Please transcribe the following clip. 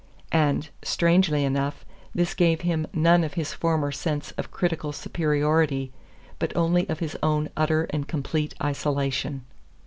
And, strangely enough, this gave him none of his former sense of critical superiority, but only of his own utter and complete isolation.